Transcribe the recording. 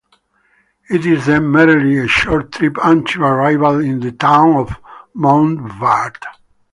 It is then merely a short trip until arrival in the town of Montbard.